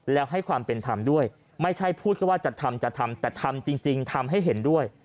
แล้วให้ความเป็นธรรมด้วยไม่ใช่พูดแค่ว่าจะทำจะทำแต่ทำจริงทำให้เห็นด้วย